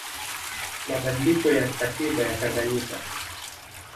mabadiliko ya katiba ya Tanganyika